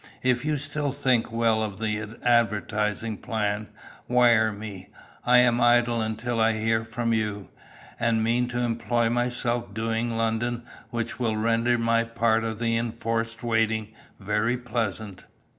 If you still think well of the advertising plan, wire me. I am idle until I hear from you, and mean to employ myself doing London, which will render my part of the enforced waiting very pleasant.